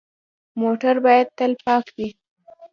موټر باید تل پاک وي.